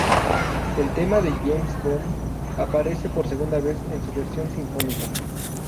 El tema de James Bond aparece por segunda vez en su versión sinfónica.